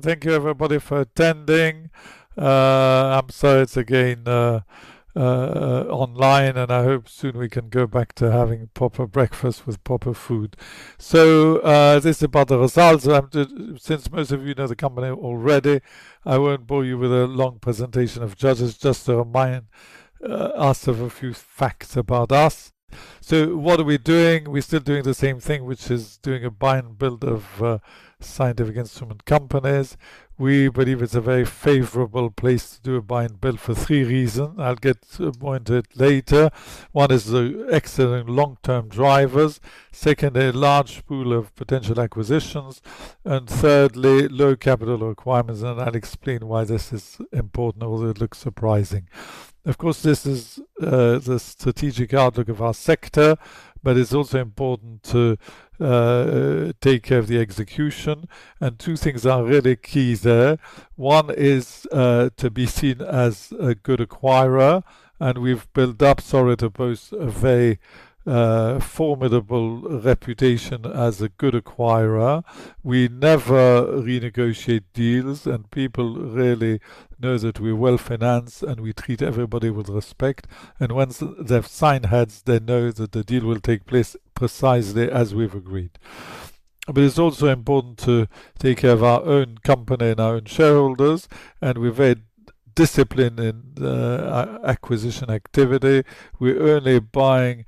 Thank you, everybody, for attending. I'm sorry it's again online, and I hope soon we can go back to having proper breakfast with proper food. So, this is about the results since most of you know the company already, I won't bore you with a long presentation of Judges. Just to remind us of a few facts about us. So, what are we doing? We're still doing the same thing, which is doing a buy-and-build of scientific instrument companies. We believe it's a very favorable place to do a buy-and-build for three reasons I'll get to the point of later. One is the excellent long-term drivers. Second, a large pool of potential acquisitions. And thirdly, lower capital requirements. And I'll explain why this is important, although it looks surprising. Of course, this is the strategic outlook of our sector, but it's also important to take care of the execution. Two things are really key there. One is to be seen as a good acquirer. We've built up, sorry to boast, a very formidable reputation as a good acquirer. We never renegotiate deals, and people really know that we're well financed, and we treat everybody with respect. Once they've signed heads, they know that the deal will take place precisely as we've agreed. But it's also important to take care of our own company and our own shareholders. We're very disciplined in acquisition activity. We're only buying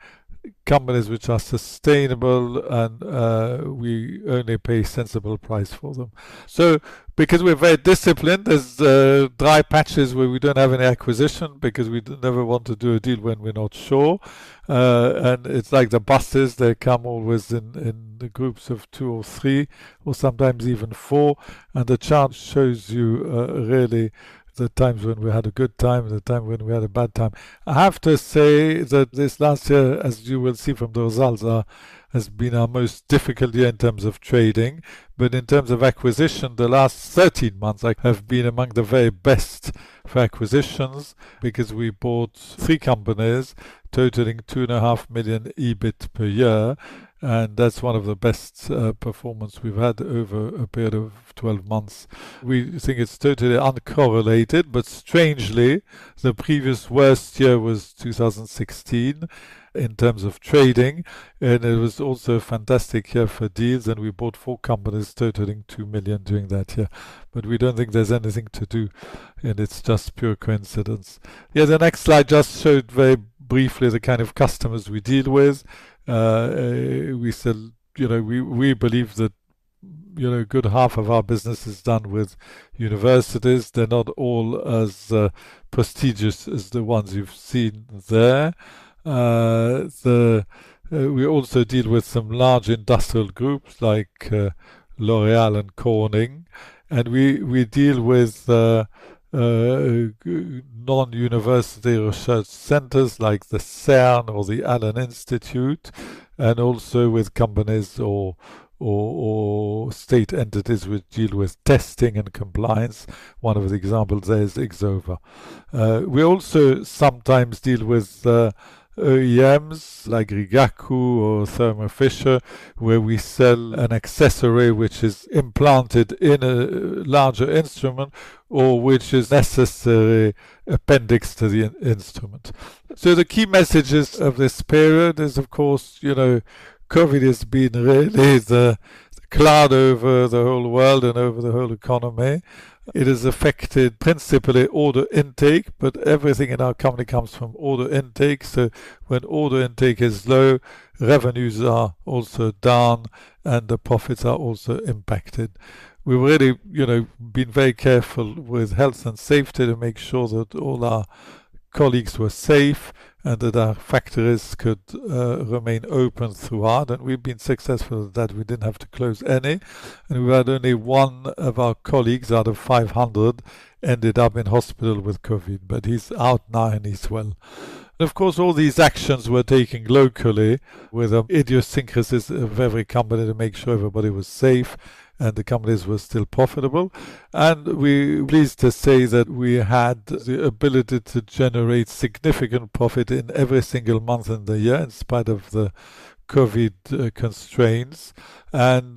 companies which are sustainable, and we only pay a sensible price for them. So because we're very disciplined, there are dry patches where we don't have any acquisition because we never want to do a deal when we're not sure. It's like the buses. They come always in groups of two or three, or sometimes even four. And the chart shows you, really, the times when we had a good time and the time when we had a bad time. I have to say that this last year, as you will see from the results, has been our most difficult year in terms of trading. But in terms of acquisition, the last 13 months have been among the very best for acquisitions because we bought three companies totaling 2.5 million EBIT per year. And that's one of the best performances we've had over a period of 12 months. We think it's totally uncorrelated, but strangely, the previous worst year was 2016 in terms of trading. And it was also a fantastic year for deals, and we bought four companies totaling 2 million during that year. But we don't think there's anything to do, and it's just pure coincidence. Yeah, the next slide just showed very briefly the kind of customers we deal with. We said, you know, we believe that, you know, a good half of our business is done with universities. They're not all as prestigious as the ones you've seen there. We also deal with some large industrial groups like L'Oréal and Corning, and we deal with non-university research centers like the CERN or the Allen Institute, and also with companies or state entities which deal with testing and compliance. One of the examples there is Exova. We also sometimes deal with OEMs like Rigaku or Thermo Fisher, where we sell an accessory which is implanted in a larger instrument or which is a necessary appendix to the instrument. The key messages of this period are, of course, you know, COVID has been really the cloud over the whole world and over the whole economy. It has affected principally order intake, but everything in our company comes from order intake. When order intake is low, revenues are also down, and the profits are also impacted. We've really, you know, been very careful with health and safety to make sure that all our colleagues were safe and that our factories could remain open throughout. We've been successful at that. We didn't have to close any. We've had only one of our colleagues out of 500 ended up in hospital with COVID, but he's out now, and he's well. Of course, all these actions were taken locally with idiosyncrasies of every company to make sure everybody was safe and the companies were still profitable. And we're pleased to say that we had the ability to generate significant profit in every single month in the year in spite of the COVID constraints. And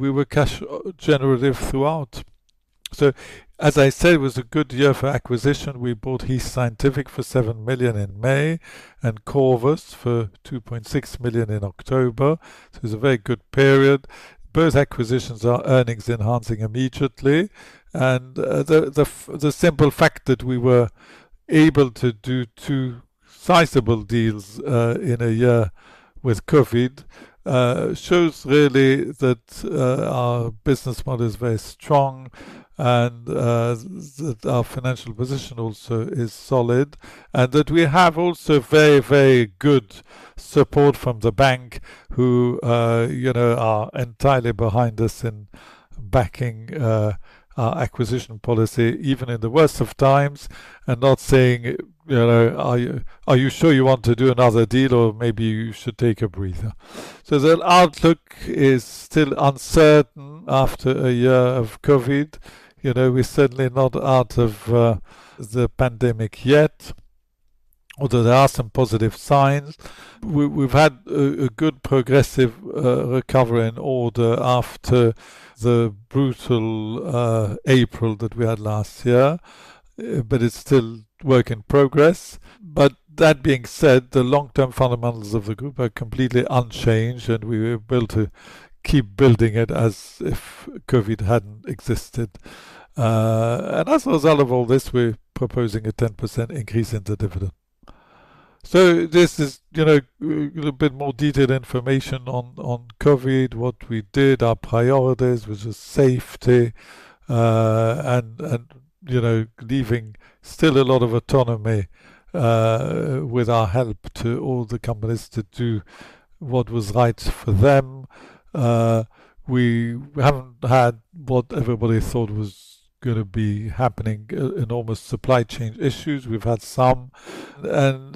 we were cash-generative throughout. So as I said, it was a good year for acquisition. We bought Heath Scientific for 7 million in May and Korvus for 2.6 million in October. So it was a very good period. Both acquisitions are earnings-enhancing immediately. The simple fact that we were able to do two sizable deals in a year with COVID shows really that our business model is very strong and that our financial position also is solid and that we have also very, very good support from the bank who you know are entirely behind us in backing our acquisition policy even in the worst of times and not saying you know "Are you sure you want to do another deal or maybe you should take a breather?" So the outlook is still uncertain after a year of COVID. You know we're certainly not out of the pandemic yet although there are some positive signs. We've had a good progressive recovery in order after the brutal April that we had last year but it's still work in progress. But that being said, the long-term fundamentals of the group are completely unchanged, and we were able to keep building it as if COVID hadn't existed, and as a result of all this, we're proposing a 10% increase in the dividend, so this is, you know, a little bit more detailed information on COVID, what we did, our priorities, which was safety, and you know, leaving still a lot of autonomy, with our help to all the companies to do what was right for them, we haven't had what everybody thought was going to be happening, enormous supply chain issues. We've had some, and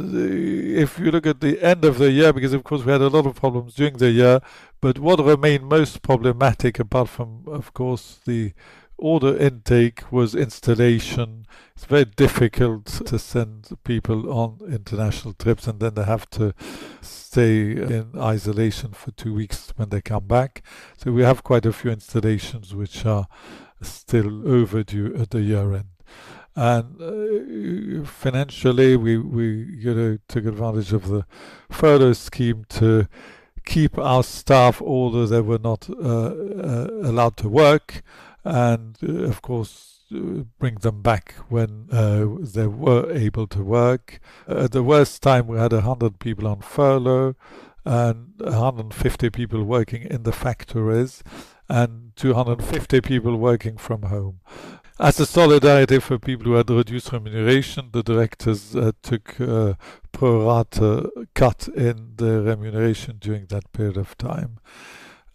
if you look at the end of the year, because of course we had a lot of problems during the year, but what remained most problematic apart from, of course, the order intake was installation. It's very difficult to send people on international trips, and then they have to stay in isolation for two weeks when they come back. So we have quite a few installations which are still overdue at the year-end, and financially, we, you know, took advantage of the furlough scheme to keep our staff although they were not allowed to work and, of course, bring them back when they were able to work. At the worst time, we had 100 people on furlough and 150 people working in the factories and 250 people working from home. As a solidarity for people who had reduced remuneration, the directors took pro rata cut in their remuneration during that period of time.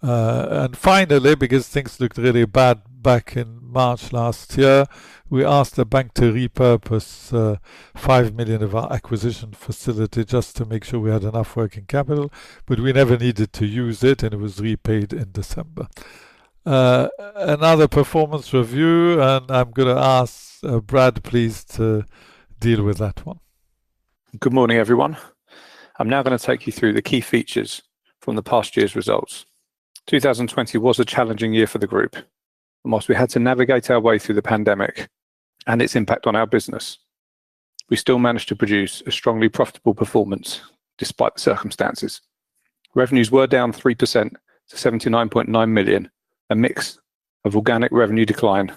And finally, because things looked really bad back in March last year, we asked the bank to repurpose 5 million of our acquisition facility just to make sure we had enough working capital, but we never needed to use it, and it was repaid in December. Another performance review, and I'm going to ask Brad, please, to deal with that one. Good morning, everyone. I'm now going to take you through the key features from the past year's results. 2020 was a challenging year for the group and whilst we had to navigate our way through the pandemic and its impact on our business. We still managed to produce a strongly profitable performance despite the circumstances. Revenues were down 3% to 79.9 million, a mix of organic revenue decline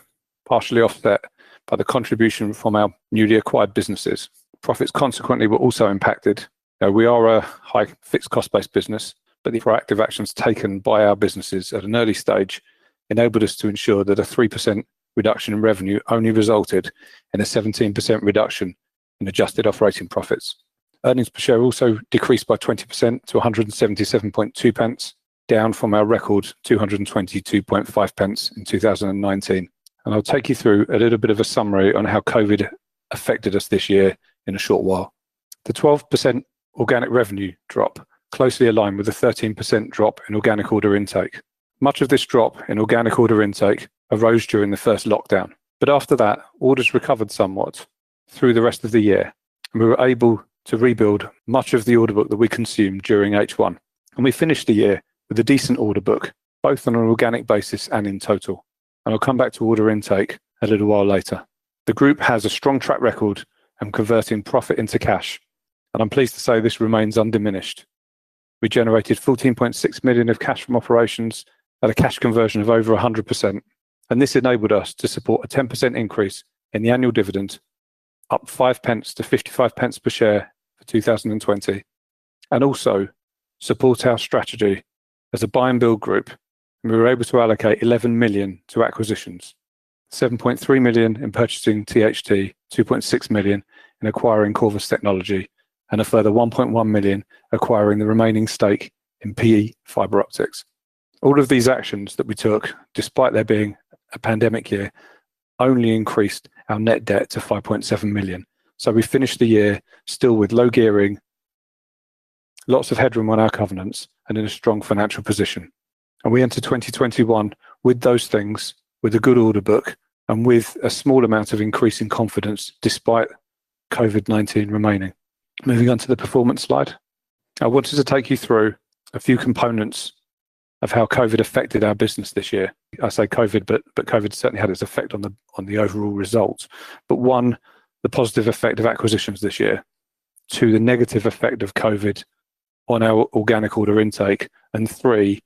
partially offset by the contribution from our newly acquired businesses. Profits consequently were also impacted. We are a high fixed cost-based business, but the proactive actions taken by our businesses at an early stage enabled us to ensure that a 3% reduction in revenue only resulted in a 17% reduction in adjusted operating profits. Earnings per share also decreased by 20% to 1.772, down from our record 2.225 in 2019. I'll take you through a little bit of a summary on how COVID affected us this year in a short while. The 12% organic revenue drop closely aligned with the 13% drop in organic order intake. Much of this drop in organic order intake arose during the first lockdown, but after that, orders recovered somewhat through the rest of the year, and we were able to rebuild much of the order book that we consumed during H1. We finished the year with a decent order book, both on an organic basis and in total. I'll come back to order intake a little while later. The group has a strong track record and converting profit into cash, and I'm pleased to say this remains undiminished. We generated 14.6 million of cash from operations at a cash conversion of over 100%, and this enabled us to support a 10% increase in the annual dividend, up 0.05 to 0.55 per share for 2020, and also support our strategy as a buy-and-build group. We were able to allocate 11 million to acquisitions, 7.3 million in purchasing THT, 2.6 million in acquiring Korvus Technology, and a further 1.1 million acquiring the remaining stake in PE fiberoptics. All of these actions that we took, despite there being a pandemic year, only increased our net debt to 5.7 million. So we finished the year still with low gearing, lots of headroom on our covenants, and in a strong financial position. And we entered 2021 with those things, with a good order book, and with a small amount of increasing confidence despite COVID-19 remaining. Moving on to the performance slide, I wanted to take you through a few components of how COVID affected our business this year, I say COVID, but COVID certainly had its effect on the overall results. But, one, the positive effect of acquisitions this year, two, the negative effect of COVID on our organic order intake, and three,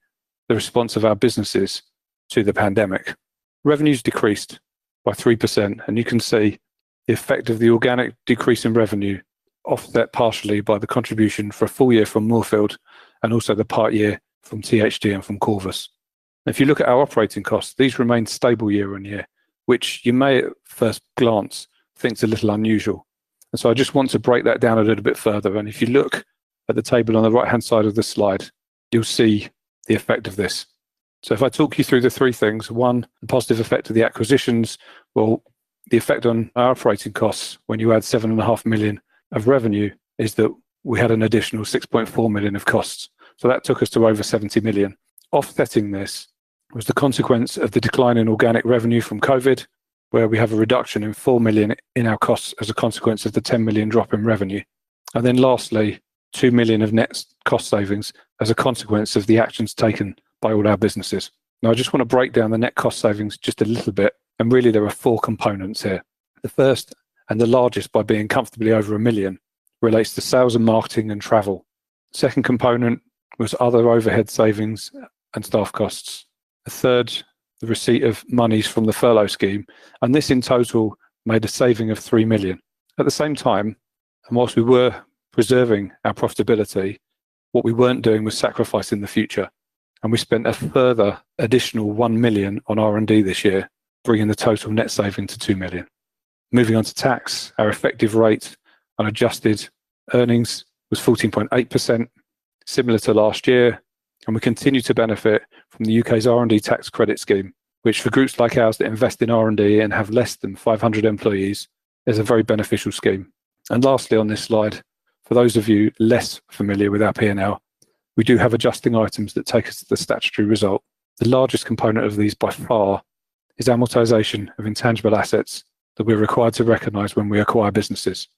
the response of our businesses to the pandemic. Revenues decreased by 3%, and you can see the effect of the organic decrease in revenue offset partially by the contribution for a full-year from Moorfield and also the part year from THT and from Korvus. If you look at our operating costs, these remained stable year-on-year, which you may at first glance think's a little unusual. And so I just want to break that down a little bit further. If you look at the table on the right-hand side of the slide, you'll see the effect of this. If I talk you through the three things, one, the positive effect of the acquisitions, well, the effect on our operating costs when you add 7.5 million of revenue is that we had an additional 6.4 million of costs. That took us to over 70 million. Offsetting this was the consequence of the decline in organic revenue from COVID, where we have a reduction in 4 million in our costs as a consequence of the 10 million drop in revenue. Lastly, 2 million of net cost savings as a consequence of the actions taken by all our businesses. Now, I just want to break down the net cost savings just a little bit, and really there are four components here. The first and the largest, by being comfortably over 1 million, relates to sales and marketing and travel. Second component was other overhead savings and staff costs. The third, the receipt of monies from the furlough scheme. And this in total made a saving of 3 million. At the same time, and whilst we were preserving our profitability, what we weren't doing was sacrificing the future. And we spent a further additional 1 million on R&D this year, bringing the total net saving to 2 million. Moving on to tax, our effective rate on adjusted earnings was 14.8%, similar to last year. And we continue to benefit from the U.K.'s R&D tax credit scheme, which for groups like ours that invest in R&D and have less than 500 employees, is a very beneficial scheme. Lastly on this slide, for those of you less familiar with our P&L, we do have adjusting items that take us to the statutory result. The largest component of these by far is amortization of intangible assets that we're required to recognize when we acquire businesses.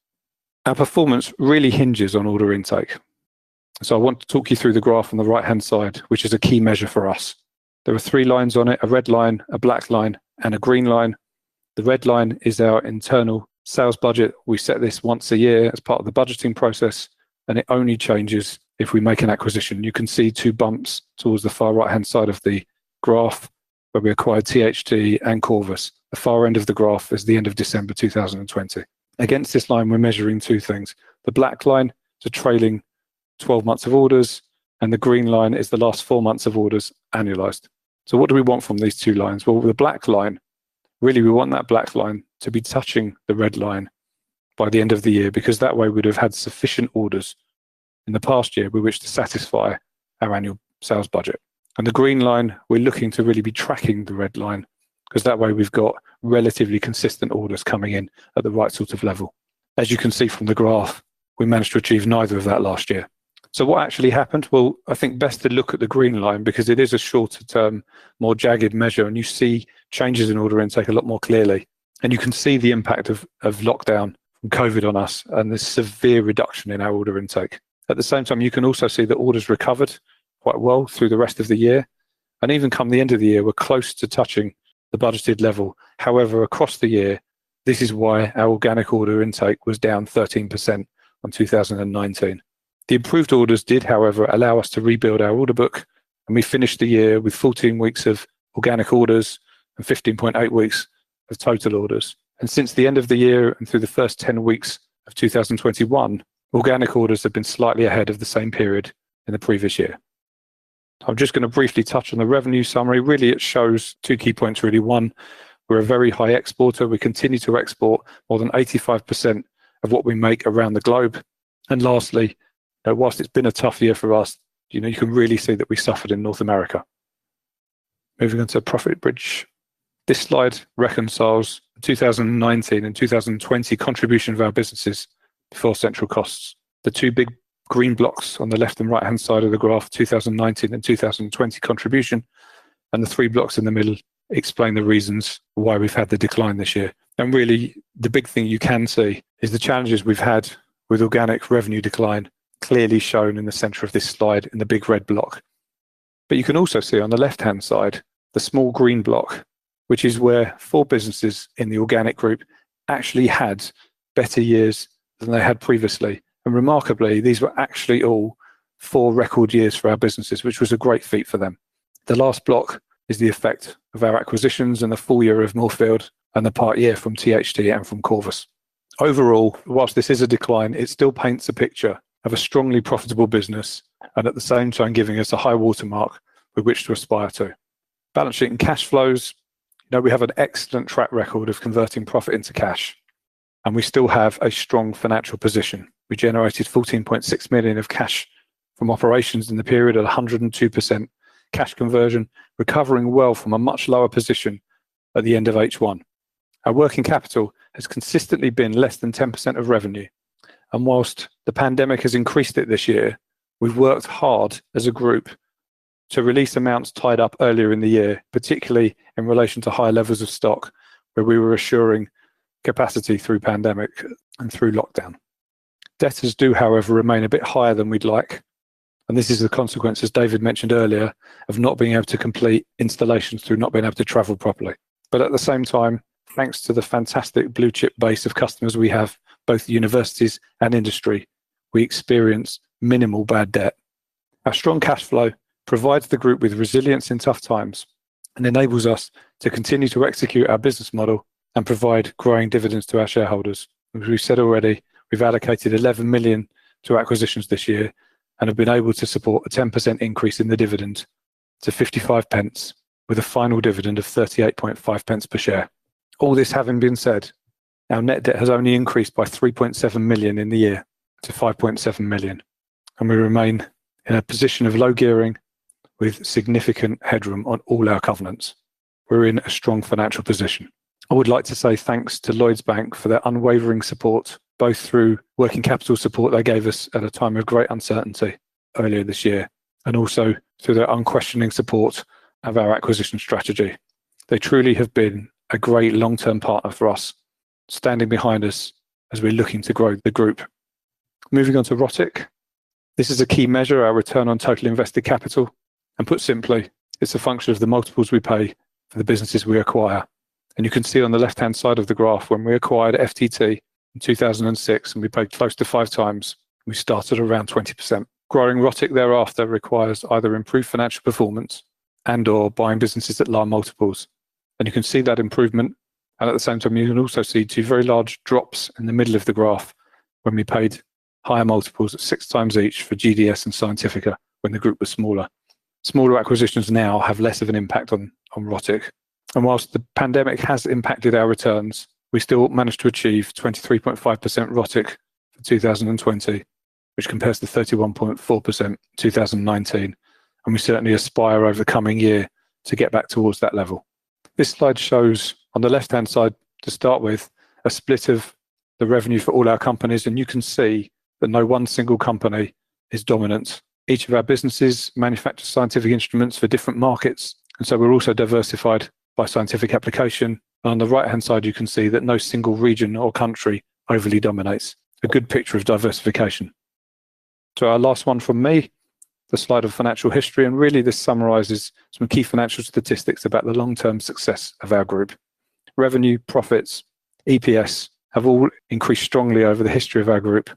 Our performance really hinges on order intake. I want to talk you through the graph on the right-hand side, which is a key measure for us. There are three lines on it: a red line, a black line, and a green line. The red line is our internal sales budget. We set this once a year as part of the budgeting process, and it only changes if we make an acquisition. You can see two bumps towards the far right-hand side of the graph where we acquired THT and Korvus. The far end of the graph is the end of December 2020. Against this line, we're measuring two things. The black line for trading, 12 months of orders, and the green line is the last four months of orders annualized, so what do we want from these two lines? Well, with the black line, really we want that black line to be touching the red line by the end of the year because that way we'd have had sufficient orders in the past year with which to satisfy our annual sales budget, and the green line, we're looking to really be tracking the red line because that way we've got relatively consistent orders coming in at the right sort of level. As you can see from the graph, we managed to achieve neither of that last year, so what actually happened? I think best to look at the green line because it is a shorter term, more jagged measure, and you see changes in order intake a lot more clearly, and you can see the impact of lockdown from COVID on us and the severe reduction in our order intake. At the same time, you can also see that orders recovered quite well through the rest of the year, and even come the end of the year, we're close to touching the budgeted level. However, across the year, this is why our organic order intake was down 13% in 2019. The improved orders did, however, allow us to rebuild our order book, and we finished the year with 14 weeks of organic orders and 15.8 weeks of total orders. Since the end of the year and through the first 10 weeks of 2021, organic orders have been slightly ahead of the same period in the previous year. I'm just going to briefly touch on the revenue summary. Really, it shows two key points. Really, one, we're a very high exporter. We continue to export more than 85% of what we make around the globe. And lastly, while it's been a tough year for us, you know, you can really see that we suffered in North America. Moving on to profit bridge. This slide reconciles 2019 and 2020 contribution of our businesses for central costs. The two big green blocks on the left and right-hand side of the graph, 2019 and 2020 contribution, and the three blocks in the middle explain the reasons why we've had the decline this year. Really, the big thing you can see is the challenges we've had with organic revenue decline, clearly shown in the center of this slide in the big red block. You can also see on the left-hand side the small green block, which is where four businesses in the organic group actually had better years than they had previously. Remarkably, these were actually all four record years for our businesses, which was a great feat for them. The last block is the effect of our acquisitions and the full year of Moorfield and the part year from THT and from Korvus. Overall, while this is a decline, it still paints a picture of a strongly profitable business and at the same time giving us a high watermark with which to aspire to. Balance sheet and cash flows, you know, we have an excellent track record of converting profit into cash, and we still have a strong financial position. We generated 14.6 million of cash from operations in the period at 102% cash conversion, recovering well from a much lower position at the end of H1. Our working capital has consistently been less than 10% of revenue. And while the pandemic has increased it this year, we've worked hard as a group to release amounts tied up earlier in the year, particularly in relation to high levels of stock where we were assuring capacity through pandemic and through lockdown. Debtors do, however, remain a bit higher than we'd like, and this is the consequence, as David mentioned earlier, of not being able to complete installations through not being able to travel properly. But at the same time, thanks to the fantastic blue chip base of customers we have, both universities and industry, we experience minimal bad debt. Our strong cash flow provides the group with resilience in tough times and enables us to continue to execute our business model and provide growing dividends to our shareholders. As we said already, we've allocated 11 million to acquisitions this year and have been able to support a 10% increase in the dividend to 0.55, with a final dividend of 0.385 per share. All this having been said, our net debt has only increased by 3.7 million in the year to 5.7 million, and we remain in a position of low gearing with significant headroom on all our covenants. We're in a strong financial position. I would like to say thanks to Lloyds Bank for their unwavering support, both through working capital support they gave us at a time of great uncertainty earlier this year and also through their unquestioning support of our acquisition strategy. They truly have been a great long-term partner for us, standing behind us as we're looking to grow the group. Moving on to ROTIC. This is a key measure, our return on total invested capital. And put simply, it's a function of the multiples we pay for the businesses we acquire. And you can see on the left-hand side of the graph when we acquired FTT in 2006, and we paid close to five times. We started around 20%. Growing ROTIC thereafter requires either improved financial performance and/or buying businesses at lower multiples. And you can see that improvement. At the same time, you can also see two very large drops in the middle of the graph when we paid higher multiples at six times each for GDS and Scientifica when the group was smaller. Smaller acquisitions now have less of an impact on ROTIC. While the pandemic has impacted our returns, we still managed to achieve 23.5% ROTIC for 2020, which compares to 31.4% in 2019. We certainly aspire over the coming year to get back towards that level. This slide shows on the left-hand side to start with a split of the revenue for all our companies, and you can see that no one single company is dominant. Each of our businesses manufactures scientific instruments for different markets, and so we're also diversified by scientific application. On the right-hand side, you can see that no single region or country overly dominates, a good picture of diversification. So our last one from me, the slide of financial history, and really this summarizes some key financial statistics about the long-term success of our group. Revenue, profits, EPS have all increased strongly over the history of our group,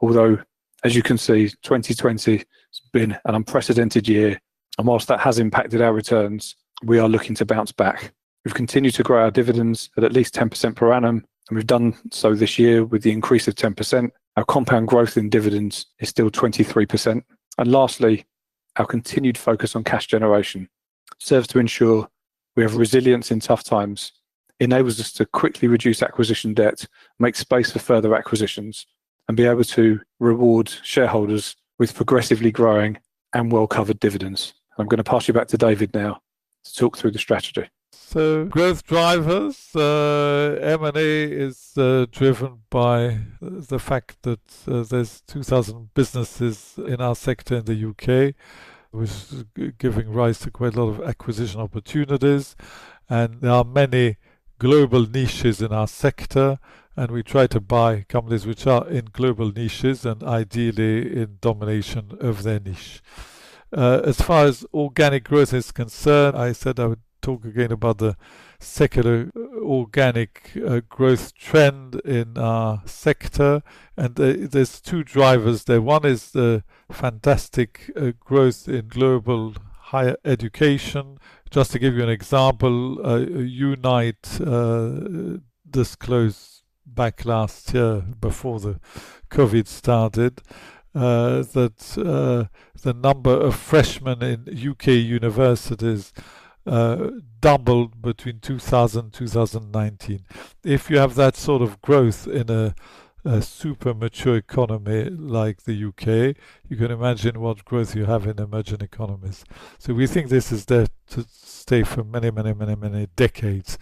although, as you can see, 2020 has been an unprecedented year. And while that has impacted our returns, we are looking to bounce back. We've continued to grow our dividends at least 10% per annum, and we've done so this year with the increase of 10%. Our compound growth in dividends is still 23%. And lastly, our continued focus on cash generation serves to ensure we have resilience in tough times, enables us to quickly reduce acquisition debt, make space for further acquisitions, and be able to reward shareholders with progressively growing and well-covered dividends. And I'm going to pass you back to David now to talk through the strategy. So, growth drivers, M&A is driven by the fact that there's 2,000 businesses in our sector in the U.K., which is giving rise to quite a lot of acquisition opportunities. And there are many global niches in our sector, and we try to buy companies which are in global niches and ideally in domination of their niche. As far as organic growth is concerned, I said I would talk again about the secular organic growth trend in our sector. And there's two drivers there. One is the fantastic growth in global higher education. Just to give you an example, Unite disclosed back last year before the COVID started that the number of freshmen in U.K. universities doubled between 2000 and 2019. If you have that sort of growth in a super mature economy like the UK, you can imagine what growth you have in emerging economies. So we think this is there to stay for many, many, many, many decades.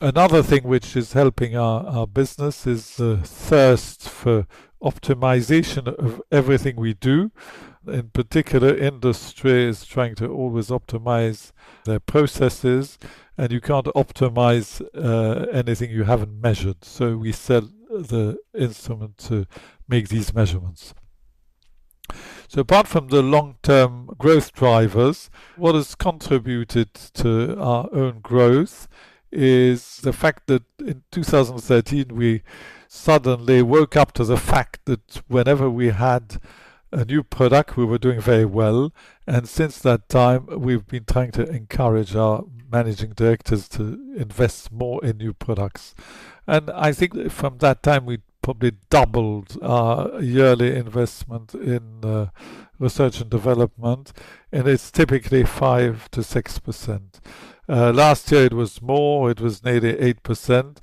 Another thing which is helping our business is the thirst for optimization of everything we do. In particular, industry is trying to always optimize their processes, and you can't optimize anything you haven't measured. So we sell the instrument to make these measurements. So apart from the long-term growth drivers, what has contributed to our own growth is the fact that in 2013, we suddenly woke up to the fact that whenever we had a new product, we were doing very well, and since that time, we've been trying to encourage our managing directors to invest more in new products. I think from that time, we probably doubled our yearly investment in research and development, and it's typically 5%to 6%. Last year it was more. It was nearly 8%.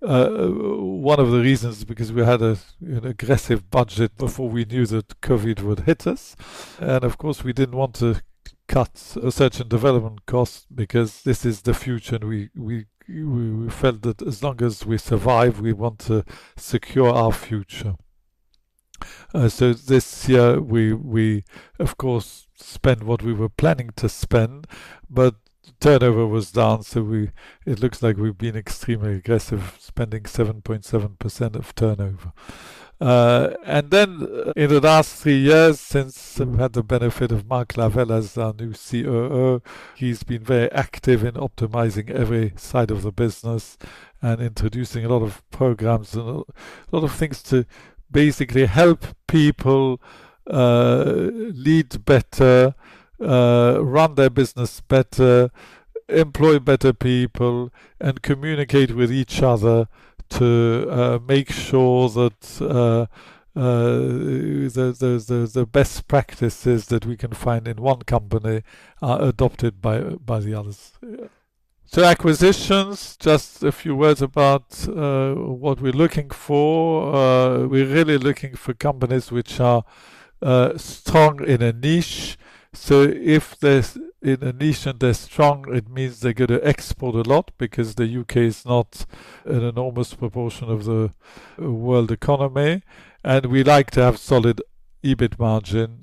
One of the reasons is because we had an aggressive budget before we knew that COVID would hit us. Of course, we didn't want to cut research and development costs because this is the future. We felt that as long as we survive, we want to secure our future. This year we of course spent what we were planning to spend, but turnover was down. It looks like we've been extremely aggressive, spending 7.7% of turnover. And then in the last three years, since we've had the benefit of Mark Lavelle as our new COO, he's been very active in optimizing every side of the business and introducing a lot of programs and a lot of things to basically help people lead better, run their business better, employ better people, and communicate with each other to make sure that the best practices that we can find in one company are adopted by the others. So acquisitions, just a few words about what we're looking for. We're really looking for companies which are strong in a niche. So if they're in a niche and they're strong, it means they're going to export a lot because the U.K. is not an enormous proportion of the world economy. And we like to have solid EBIT margin.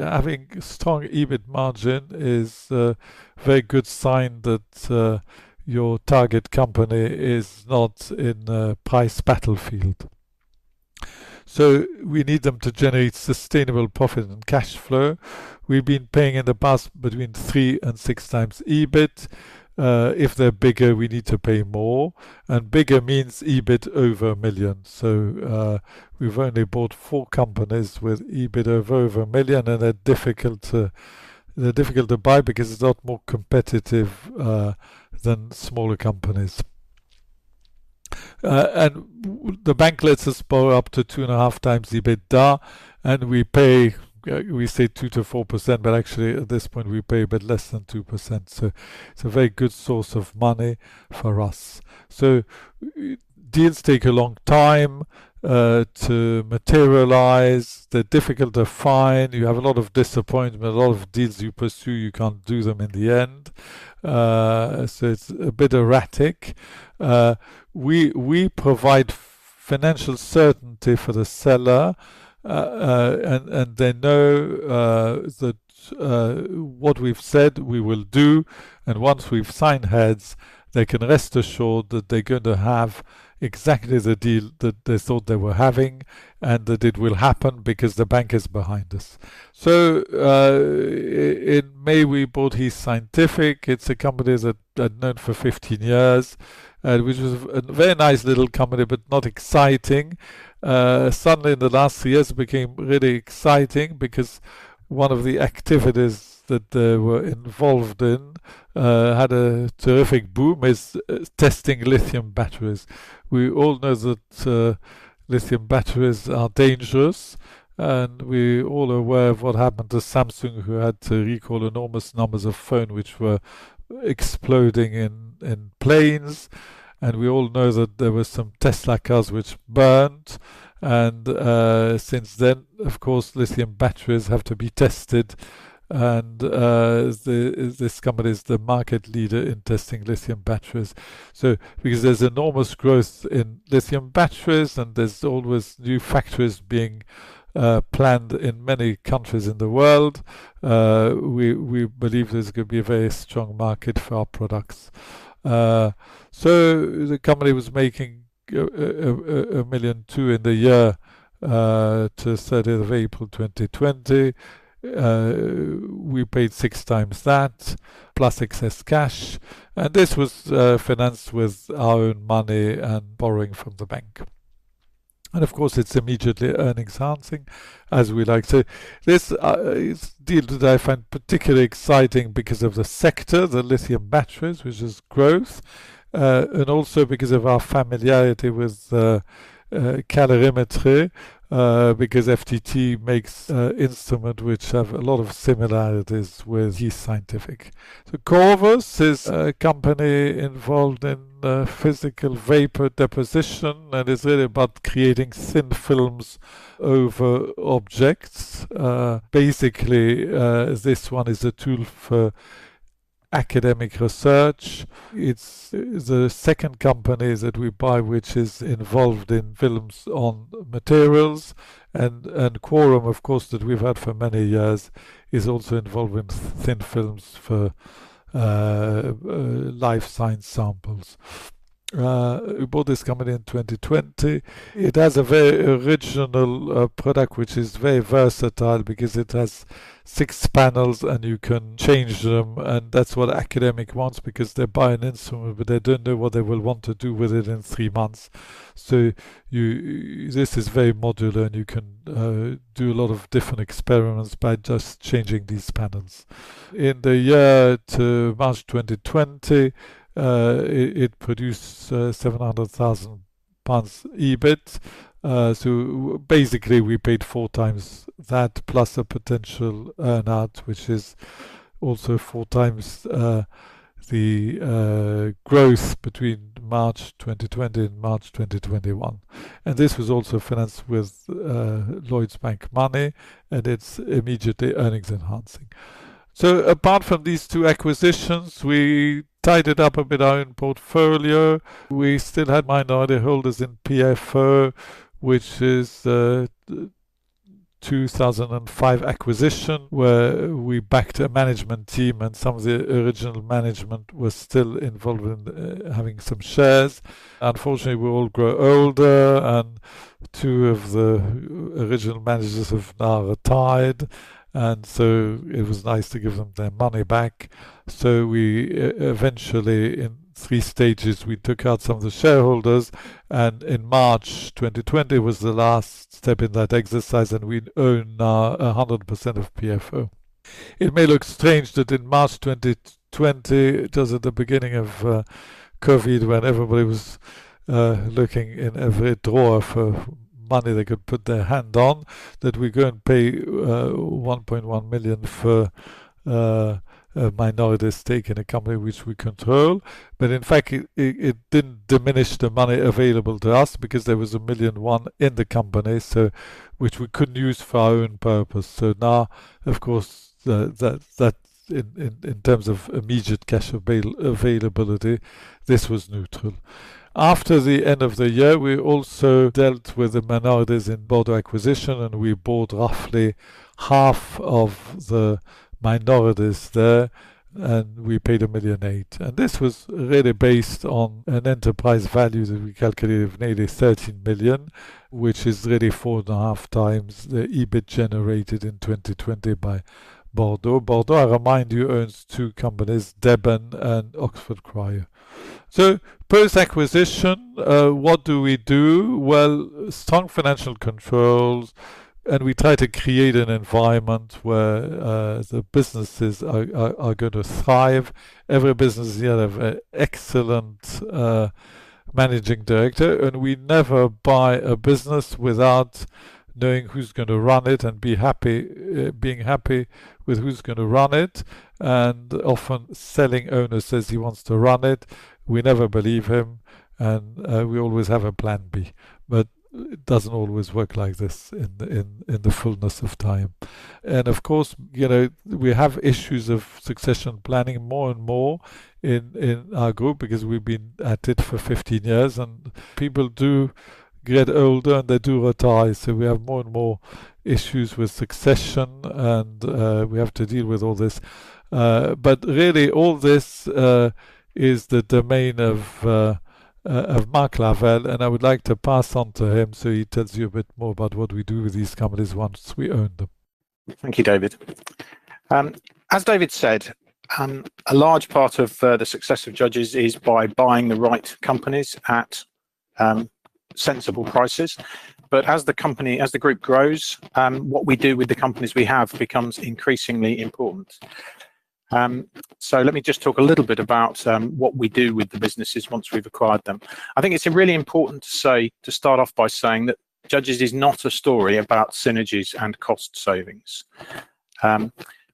Having a strong EBIT margin is a very good sign that your target company is not in a price battlefield. We need them to generate sustainable profit and cash flow. We've been paying in the past between three and six times EBIT. If they're bigger, we need to pay more. Bigger means EBIT over a million. We've only bought four companies with EBIT over a million, and they're difficult to buy because it's a lot more competitive than smaller companies. The bank lets us borrow up to 2.5x EBITDA, and we pay, we say, 2%-4%, but actually at this point we pay a bit less than 2%. It's a very good source of money for us. Deals take a long time to materialize. They're difficult to find. You have a lot of disappointment, a lot of deals you pursue, you can't do them in the end. So it's a bit erratic. We provide financial certainty for the seller, and they know that what we've said we will do. And once we've signed heads, they can rest assured that they're going to have exactly the deal that they thought they were having and that it will happen because the bank is behind us. So, in May, we bought Heath Scientific. It's a company that I've known for 15 years, which was a very nice little company but not exciting. Suddenly in the last years, it became really exciting because one of the activities that they were involved in had a terrific boom is testing lithium batteries. We all know that lithium batteries are dangerous, and we all are aware of what happened to Samsung, who had to recall enormous numbers of phones which were exploding in planes. We all know that there were some Tesla cars which burned. Since then, of course, lithium batteries have to be tested. This company is the market leader in testing lithium batteries. Because there's enormous growth in lithium batteries and there's always new factories being planned in many countries in the world, we believe there's going to be a very strong market for our products. The company was making 1.2 million in the year until 30th April 2020. We paid six times that plus excess cash. This was financed with our own money and borrowing from the bank. Of course, it's immediately earnings enhancing as we'd like to. This deal that I find particularly exciting because of the sector, the lithium batteries, which is growth, and also because of our familiarity with calorimetry, because FTT makes instruments which have a lot of similarities with Heath Scientific. Korvus is a company involved in physical vapor deposition and is really about creating thin films over objects. Basically, this one is a tool for academic research. It's the second company that we buy, which is involved in films on materials. Quorum, of course, that we've had for many years is also involved in thin films for life science samples. We bought this company in 2020. It has a very original product which is very versatile because it has six panels and you can change them. That's what academics want because they buy an instrument, but they don't know what they will want to do with it in three months. This is very modular and you can do a lot of different experiments by just changing these panels. In the year to March 2020, it produced GBP 700,000 EBIT. Basically we paid four times that plus a potential earn out, which is also four times the growth between March 2020 and March 2021. This was also financed with Lloyds Bank money and it's immediately earnings enhancing. Apart from these two acquisitions, we tidied up a bit our own portfolio. We still had minority holders in PFO, which is a 2005 acquisition where we backed a management team and some of the original management was still involved in having some shares. Unfortunately, we all grow older and two of the original managers have now retired. It was nice to give them their money back. We eventually, in three stages, we took out some of the shareholders and in March 2020 was the last step in that exercise and we own now 100% of PFO. It may look strange that in March 2020, just at the beginning of COVID, when everybody was looking in every drawer for money they could put their hand on, that we go and pay 1.1 million for minority stake in a company which we control. In fact, it didn't diminish the money available to us because there was 1.1 million in the company, so which we couldn't use for our own purpose. So now, of course, that in terms of immediate cash availability, this was neutral. After the end of the year, we also dealt with the minorities in Bordeaux Acquisition and we bought roughly half of the minorities there and we paid 1.8 million. And this was really based on an enterprise value that we calculated of nearly 13 million, which is really four and a half times the EBIT generated in 2020 by Bordeaux. Bordeaux, I remind you, owns two companies, Deben and Oxford Cryo. So post-acquisition, what do we do? Well, strong financial controls and we try to create an environment where the businesses are going to thrive. Every business here has an excellent managing director and we never buy a business without knowing who's going to run it and be happy with who's going to run it. And often selling owner says he wants to run it. We never believe him and we always have a plan B, but it doesn't always work like this in the fullness of time. And of course, you know, we have issues of succession planning more and more in our group because we've been at it for 15 years and people do get older and they do retire. So we have more and more issues with succession and we have to deal with all this. But really all this is the domain of Mark Lavelle and I would like to pass on to him so he tells you a bit more about what we do with these companies once we own them. Thank you, David. As David said, a large part of the success of Judges is by buying the right companies at sensible prices. But as the company, as the group grows, what we do with the companies we have becomes increasingly important. So let me just talk a little bit about what we do with the businesses once we've acquired them. I think it's really important to say, to start off by saying that Judges is not a story about synergies and cost savings.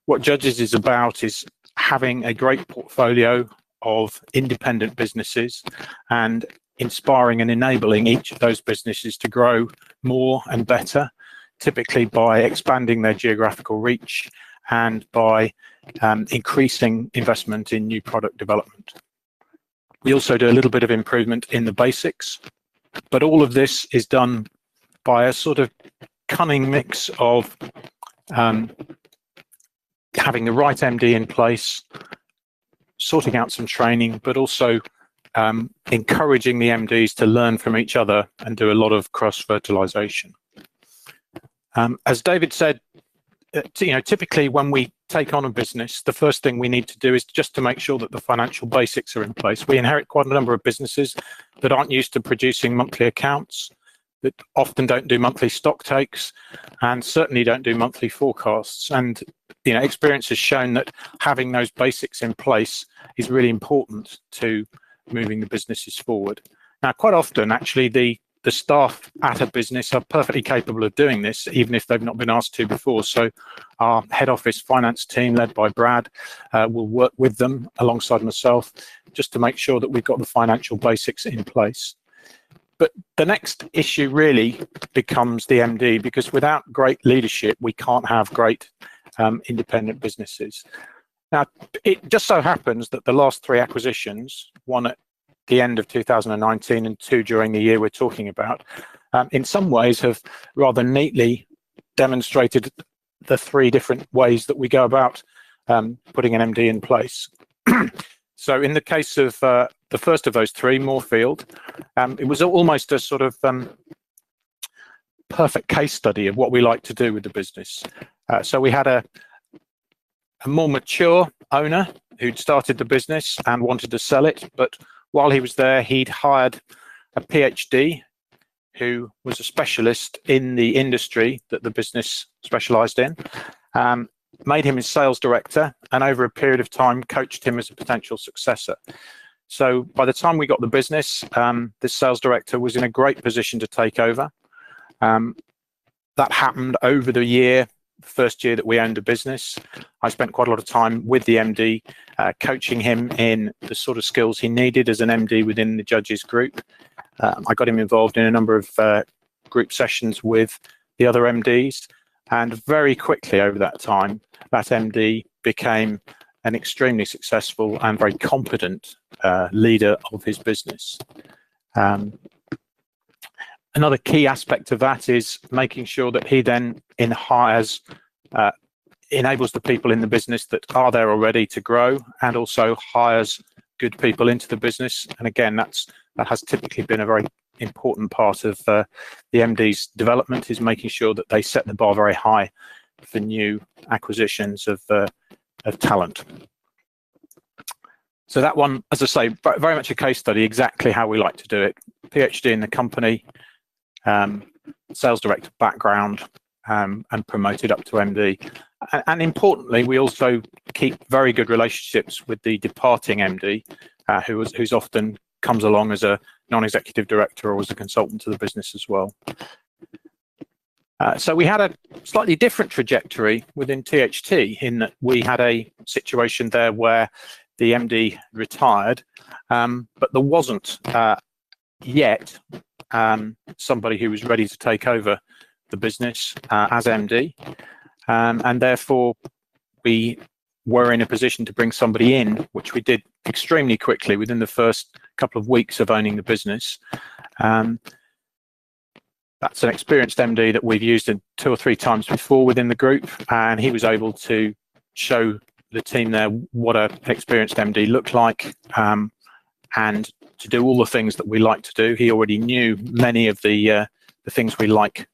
What Judges is about is having a great portfolio of independent businesses and inspiring and enabling each of those businesses to grow more and better, typically by expanding their geographical reach and by increasing investment in new product development. We also do a little bit of improvement in the basics, but all of this is done by a sort of cunning mix of having the right MD in place, sorting out some training, but also encouraging the MDs to learn from each other and do a lot of cross-fertilization. As David said, you know, typically when we take on a business, the first thing we need to do is just to make sure that the financial basics are in place. We inherit quite a number of businesses that aren't used to producing monthly accounts, that often don't do monthly stock takes and certainly don't do monthly forecasts. And, you know, experience has shown that having those basics in place is really important to moving the businesses forward. Now, quite often, actually, the staff at a business are perfectly capable of doing this, even if they've not been asked to before. So our head office finance team led by Brad will work with them alongside myself just to make sure that we've got the financial basics in place. But the next issue really becomes the MD because without great leadership, we can't have great, independent businesses. Now, it just so happens that the last three acquisitions, one at the end of 2019 and two during the year we're talking about, in some ways have rather neatly demonstrated the three different ways that we go about putting an MD in place. So in the case of the first of those three, Moorfield, it was almost a sort of perfect case study of what we like to do with the business. So we had a more mature owner who'd started the business and wanted to sell it, but while he was there, he'd hired a PhD who was a specialist in the industry that the business specialized in, made him a sales director and over a period of time coached him as a potential successor. So by the time we got the business, the sales director was in a great position to take over. That happened over the year, the first year that we owned a business. I spent quite a lot of time with the MD, coaching him in the sort of skills he needed as an MD within the Judges Group. I got him involved in a number of group sessions with the other MDs, and very quickly over that time, that MD became an extremely successful and very competent leader of his business. Another key aspect of that is making sure that he then in hires, enables the people in the business that are there already to grow and also hires good people into the business. And again, that's that has typically been a very important part of the MD's development is making sure that they set the bar very high for new acquisitions of talent. So that one, as I say, very much a case study, exactly how we like to do it. PhD in the company, sales director background, and promoted up to MD. And importantly, we also keep very good relationships with the departing MD, who was, who's often comes along as a non-executive director or as a consultant to the business as well. So we had a slightly different trajectory within THT in that we had a situation there where the MD retired, but there wasn't, yet, somebody who was ready to take over the business, as MD. And therefore we were in a position to bring somebody in, which we did extremely quickly within the first couple of weeks of owning the business. That's an experienced MD that we've used two or three times before within the group, and he was able to show the team there what an experienced MD looked like, and to do all the things that we like to do. He already knew many of the things we like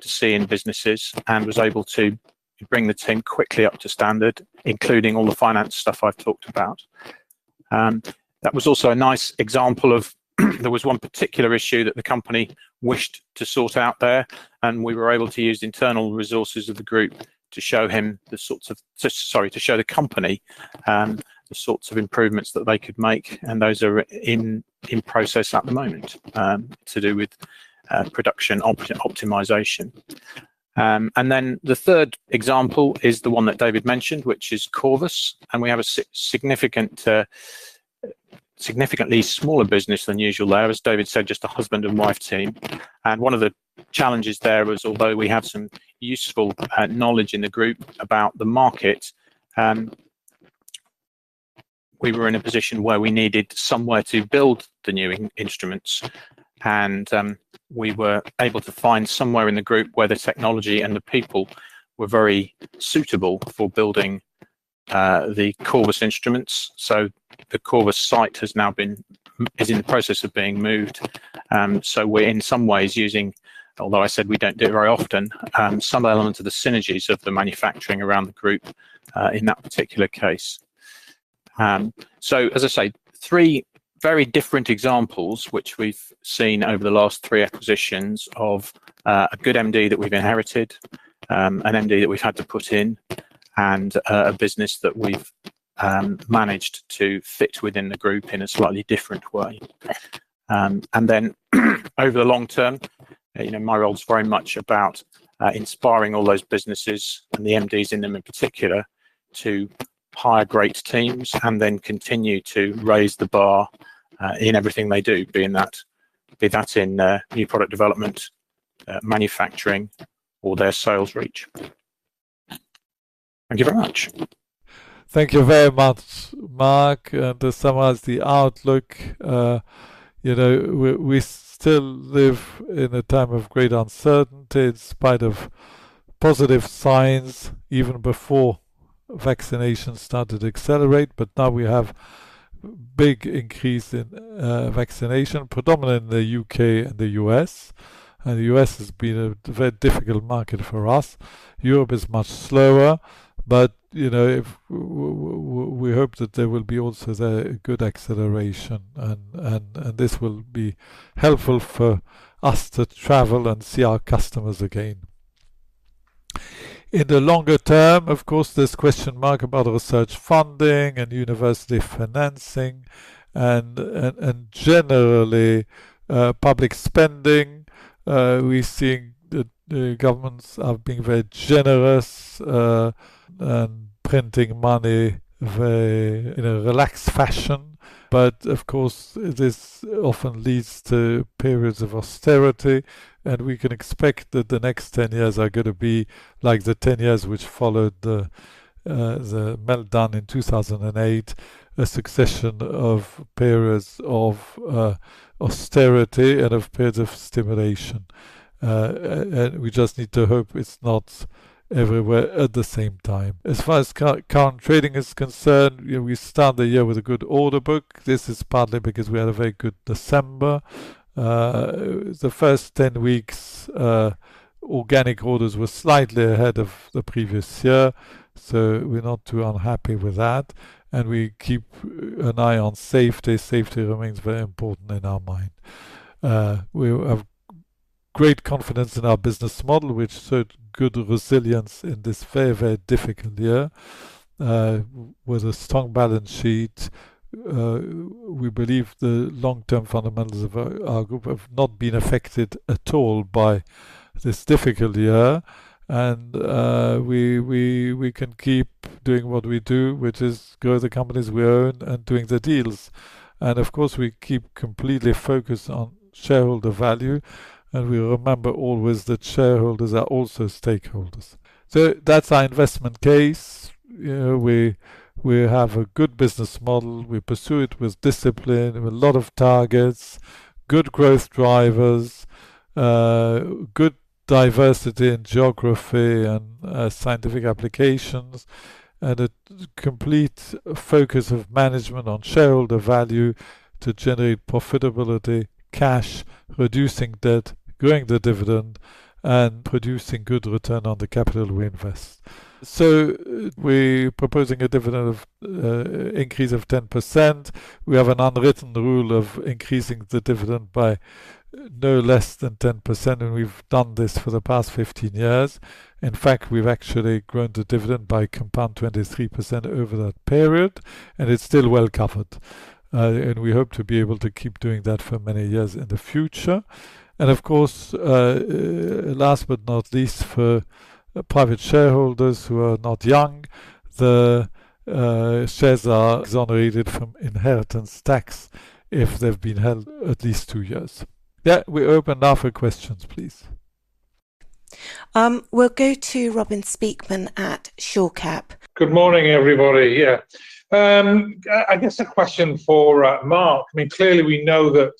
to see in businesses and was able to bring the team quickly up to standard, including all the finance stuff I've talked about. That was also a nice example of there was one particular issue that the company wished to sort out there, and we were able to use internal resources of the group to show him the sorts of, sorry, to show the company, the sorts of improvements that they could make. And those are in process at the moment, to do with production optimization. And then the third example is the one that David mentioned, which is Korvus. And we have a significantly smaller business than usual there, as David said, just a husband and wife team. And one of the challenges there was, although we have some useful knowledge in the group about the market, we were in a position where we needed somewhere to build the new instruments. And we were able to find somewhere in the group where the technology and the people were very suitable for building the Korvus instruments. So the Korvus site has now been, is in the process of being moved. So we're in some ways using, although I said we don't do it very often, some elements of the synergies of the manufacturing around the group, in that particular case. So as I say, three very different examples which we've seen over the last three acquisitions of a good MD that we've inherited, an MD that we've had to put in, and a business that we've managed to fit within the group in a slightly different way. And then over the long term, you know, my role's very much about inspiring all those businesses and the MDs in them in particular to hire great teams and then continue to raise the bar in everything they do, be that in new product development, manufacturing, or their sales reach. Thank you very much. Thank you very much, Mark. To summarize the outlook, you know, we still live in a time of great uncertainty in spite of positive signs even before vaccination started to accelerate. But now we have a big increase in vaccination, predominantly in the U.K. and the U.S. And the U.S. has been a very difficult market for us. Europe is much slower, but you know, if we hope that there will be also a good acceleration and this will be helpful for us to travel and see our customers again. In the longer term, of course, there's a question mark about research funding and university financing and generally, public spending. We see the governments are being very generous, and printing money very, in a relaxed fashion. But of course, this often leads to periods of austerity, and we can expect that the next 10 years are going to be like the 10 years which followed the meltdown in 2008, a succession of periods of austerity and of periods of stimulation. And we just need to hope it's not everywhere at the same time. As far as current trading is concerned, you know, we start the year with a good order book. This is partly because we had a very good December. The first 10 weeks, organic orders were slightly ahead of the previous year, so we're not too unhappy with that. We keep an eye on safety. Safety remains very important in our mind. We have great confidence in our business model, which showed good resilience in this very, very difficult year. With a strong balance sheet, we believe the long-term fundamentals of our group have not been affected at all by this difficult year. And we can keep doing what we do, which is grow the companies we own and doing the deals. Of course, we keep completely focused on shareholder value, and we remember always that shareholders are also stakeholders. That's our investment case. You know, we have a good business model. We pursue it with discipline, with a lot of targets, good growth drivers, good diversity in geography and scientific applications, and a complete focus of management on shareholder value to generate profitability, cash, reducing debt, growing the dividend, and producing good return on the capital we invest. We are proposing a dividend increase of 10%. We have an unwritten rule of increasing the dividend by no less than 10%, and we've done this for the past 15 years. In fact, we've actually grown the dividend by compound 23% over that period, and it's still well covered, and we hope to be able to keep doing that for many years in the future. And of course, last but not least, for private shareholders who are not young, the shares are exonerated from inheritance tax if they've been held at least two years. Yeah, we open now for questions, please. We'll go to Robin Speakman at Shore Cap. Good morning, everybody. Yeah. I guess a question for Mark. I mean, clearly we know that,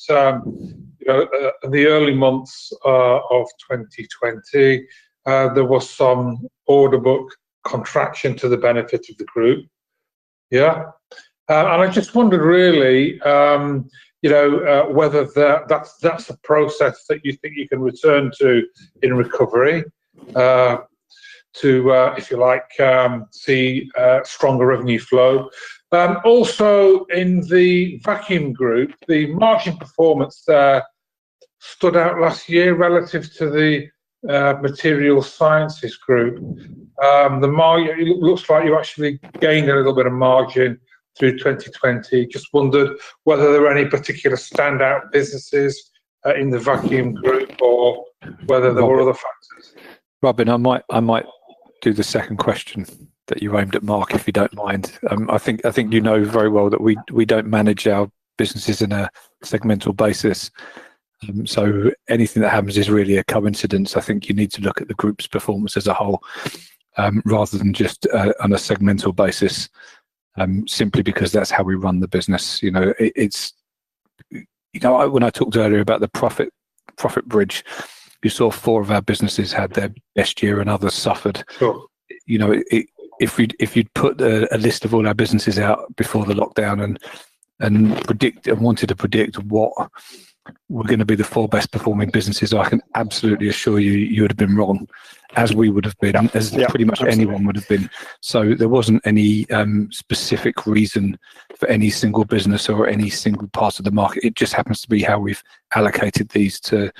you know, in the early months of 2020, there was some order book contraction to the benefit of the groupAnd I just wondered really, you know, whether that's a process that you think you can return to in recovery, to if you like see stronger revenue flow. Also in the vacuum group, the margin performance there stood out last year relative to the material sciences group. The margin looks like you actually gained a little bit of margin through 2020, just wondered whether there were any particular standout businesses in the vacuum group or whether there were other factors. Robin, I might do the second question that you aimed at, Mark, if you don't mind. I think you know very well that we don't manage our businesses on a segmental basis, so anything that happens is really a coincidence. I think you need to look at the group's performance as a whole, rather than just on a segmental basis, simply because that's how we run the business. You know, it's, you know, I when I talked earlier about the profit bridge, you saw four of our businesses had their best year and others suffered. You know, if you'd put a list of all our businesses out before the lockdown and predict what were going to be the four best performing businesses, I can absolutely assure you you would have been wrong, as we would have been, as pretty much anyone would have been. So there wasn't any specific reason for any single business or any single part of the market. It just happens to be how we've allocated these to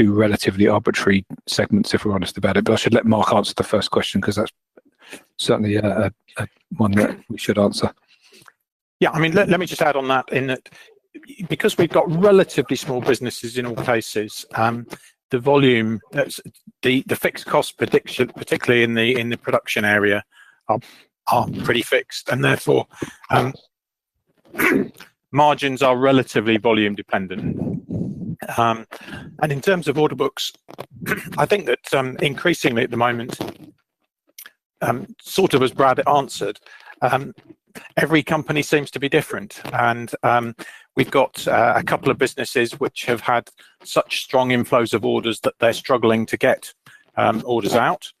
relatively arbitrary segments, if we're honest about it. But I should let Mark answer the first question because that's certainly a one that we should answer. Yeah. I mean, let me just add on to that because we've got relatively small businesses in all cases. The volume, that's the fixed cost prediction, particularly in the production area, are pretty fixed. Therefore, margins are relatively volume dependent. In terms of order books, I think that increasingly at the moment, sort of as Brad answered, every company seems to be different. We've got a couple of businesses which have had such strong inflows of orders that they're struggling to get orders out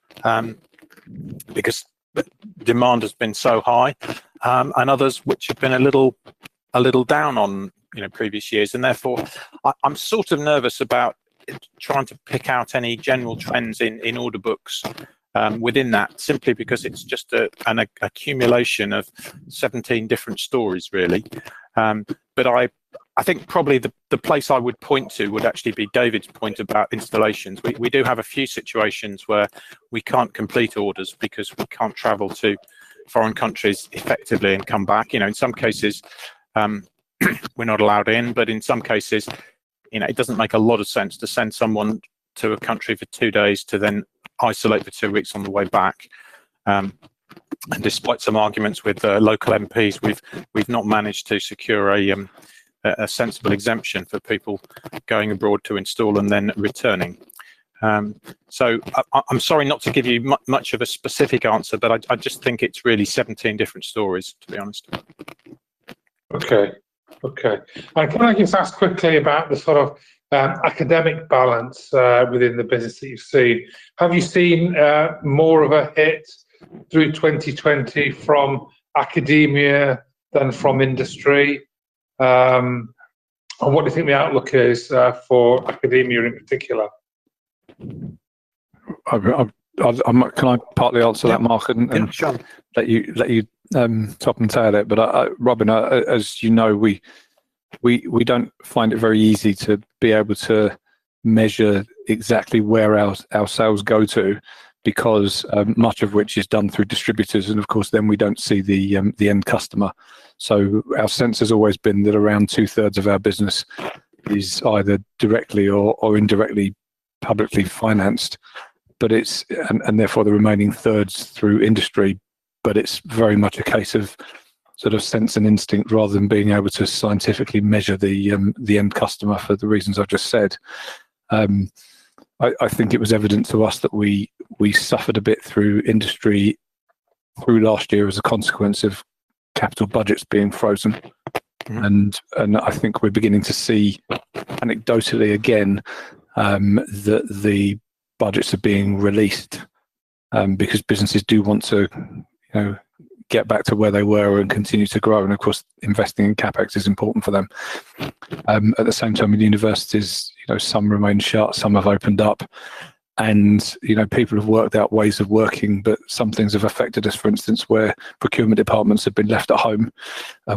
because the demand has been so high, and others which have been a little down on, you know, previous years. Therefore, I am sort of nervous about trying to pick out any general trends in order books within that simply because it's just an accumulation of 17 different stories really. But I think probably the place I would point to would actually be David's point about installations. We do have a few situations where we can't complete orders because we can't travel to foreign countries effectively and come back. You know, in some cases, we're not allowed in, but in some cases, you know, it doesn't make a lot of sense to send someone to a country for two days to then isolate for two weeks on the way back, and despite some arguments with local MPs, we've not managed to secure a sensible exemption for people going abroad to install and then returning, so I'm sorry not to give you much of a specific answer, but I just think it's really 17 different stories, to be honest. Okay. Okay. And can I just ask quickly about the sort of academic balance within the business that you've seen? Have you seen more of a hit through 2020 from academia than from industry? And what do you think the outlook is for academia in particular? Can I partly answer that, Mark? And let you top and tail it. But Robin, as you know, we don't find it very easy to be able to measure exactly where our sales go to because much of which is done through distributors. And of course, then we don't see the end customer. So our sense has always been that around 2/3 of our business is either directly or indirectly publicly financed, but and therefore the remaining 1/3 is through industry. But it's very much a case of sort of sense and instinct rather than being able to scientifically measure the end customer for the reasons I've just said. I think it was evident to us that we suffered a bit through industry through last year as a consequence of capital budgets being frozen, and I think we're beginning to see anecdotally again that the budgets are being released, because businesses do want to, you know, get back to where they were and continue to grow, and of course investing in CapEx is important for them. At the same time in universities, you know, some remain shut, some have opened up, and, you know, people have worked out ways of working, but some things have affected us. For instance, where procurement departments have been left at home,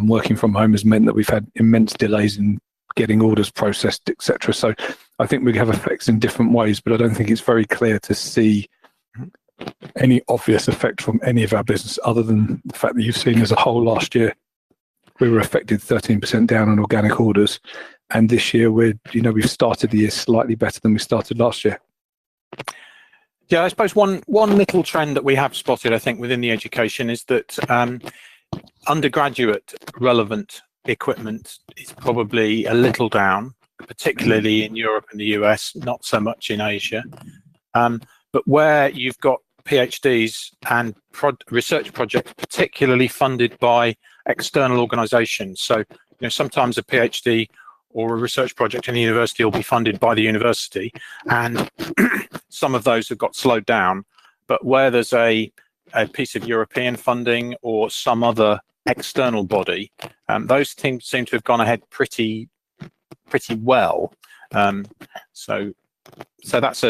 working from home has meant that we've had immense delays in getting orders processed, et cetera. So I think we have effects in different ways, but I don't think it's very clear to see any obvious effect from any of our business other than the fact that you've seen as a whole last year, we were affected 13% down on organic orders. And this year we're, you know, we've started the year slightly better than we started last year. Yeah. I suppose one little trend that we have spotted, I think within the education is that undergraduate relevant equipment is probably a little down, particularly in Europe and the U.S. and not so much in Asia. But where you've got PhDs and pure research projects, particularly funded by external organizations. So, you know, sometimes a PhD or a research project in a university will be funded by the university, and some of those have got slowed down. But where there's a piece of European funding or some other external body, those teams seem to have gone ahead pretty, pretty well, so that's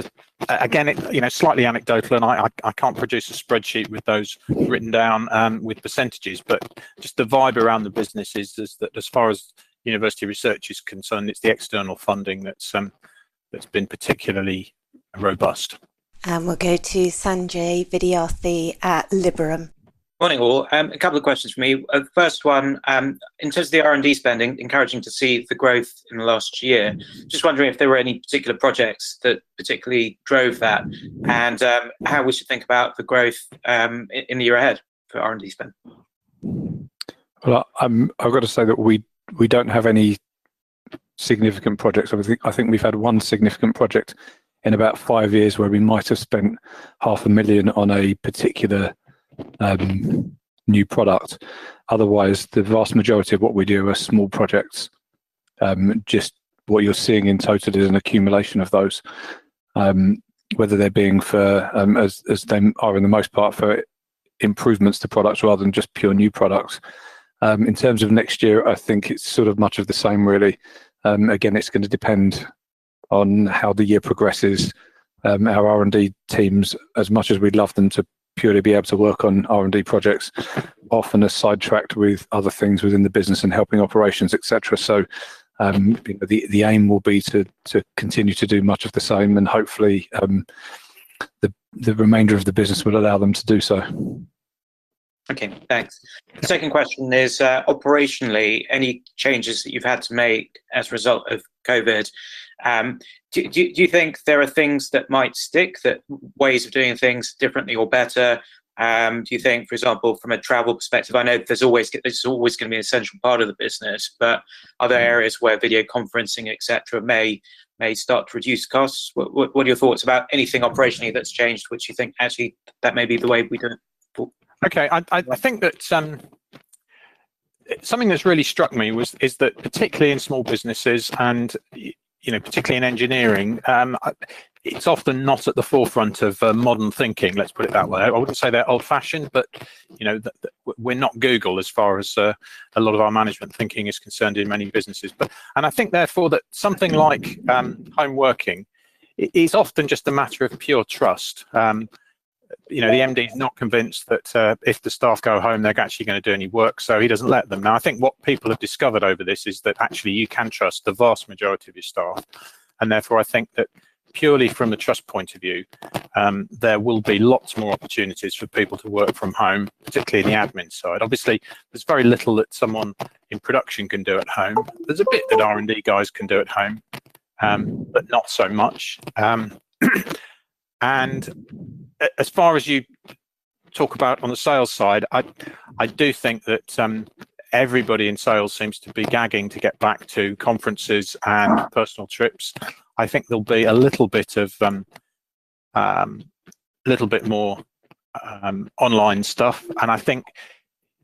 again, it, you know, slightly anecdotal, and I can't produce a spreadsheet with those written down, with percentages, but just the vibe around the business is that as far as university research is concerned, it's the external funding that's been particularly robust. And we'll go to Sanjay Vidyarthi at Liberum. Morning all. A couple of questions for me. First one, in terms of the R&D spending, encouraging to see the growth in the last year. Just wondering if there were any particular projects that particularly drove that and how we should think about the growth in the year ahead for R&D spend? Well, I've gotta say that we don't have any significant projects. I think we've had one significant project in about five years where we might have spent 500,000 on a particular new product. Otherwise, the vast majority of what we do are small projects. Just what you're seeing in total is an accumulation of those, whether they're being for, as they are in the most part for improvements to products rather than just pure new products. In terms of next year, I think it's sort of much of the same really. Again, it's going to depend on how the year progresses. Our R&D teams, as much as we'd love them to purely be able to work on R&D projects, often are sidetracked with other things within the business and helping operations, et cetera. So, you know, the aim will be to continue to do much of the same and hopefully, the remainder of the business will allow them to do so. Okay. Thanks. The second question is, operationally, any changes that you've had to make as a result of COVID? Do you think there are things that might stick, that ways of doing things differently or better? Do you think, for example, from a travel perspective, I know there's always, there's always going to be an essential part of the business, but are there areas where video conferencing, et cetera, may start to reduce costs? What are your thoughts about anything operationally that's changed, which you think actually that may be the way we do it? Okay. I think that something that's really struck me is that particularly in small businesses and, you know, particularly in engineering, it's often not at the forefront of modern thinking, let's put it that way. I wouldn't say they're old-fashioned, but, you know, that we're not Google as far as a lot of our management thinking is concerned in many businesses. But, and I think therefore that something like home working is often just a matter of pure trust. You know, the MD's not convinced that if the staff go home, they're actually going to do any work, so he doesn't let them. Now, I think what people have discovered over this is that actually you can trust the vast majority of your staff. And therefore, I think that purely from a trust point of view, there will be lots more opportunities for people to work from home, particularly in the admin side. Obviously, there's very little that someone in production can do at home. There's a bit that R&D guys can do at home, but not so much. And as far as you talk about on the sales side, I do think that everybody in sales seems to be gagging to get back to conferences and personal trips. I think there'll be a little bit more online stuff. And I think,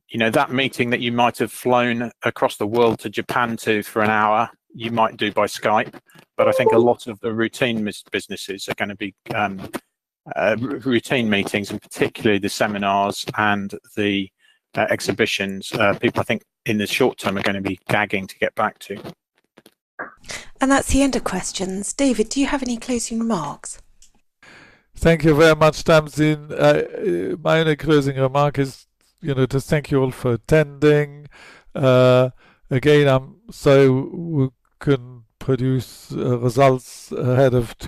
you know, that meeting that you might have flown across the world to Japan to for an hour, you might do by Skype. But I think a lot of the routine businesses are going to be routine meetings, and particularly the seminars and the exhibitions. People I think in the short term are going to be gagging to get back to. And that's the end of questions. David, do you have any closing remarks? Thank you very much, Tamsin. My only closing remark is, you know, to thank you all for attending. Again, I'm sure we can produce results ahead of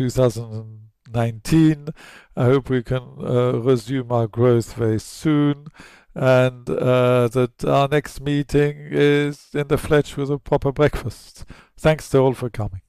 2019. I hope we can resume our growth very soon and that our next meeting is in the flesh with a proper breakfast. Thanks to all for coming.